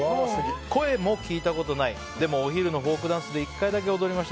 声も聞いたことないでも、お昼のフォークダンスで唯一、１回だけ踊りました。